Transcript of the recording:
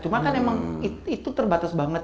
cuma kan emang itu terbatas banget